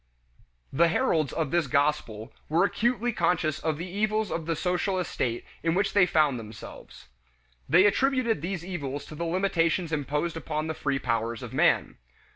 The heralds of this gospel were acutely conscious of the evils of the social estate in which they found themselves. They attributed these evils to the limitations imposed upon the free powers of man.